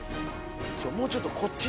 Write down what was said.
そうもうちょっとこっちに。